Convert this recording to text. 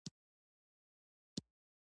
کتاب د ذهن او زړه تسکین دی.